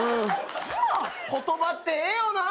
言葉ってええよな。